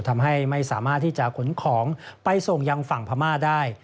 ทำให้ไม่สามารถที่จะขนของไปส่งยังฝั่งพม่าได้